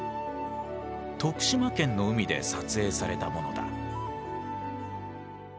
徳島県の海で撮影されたものだ。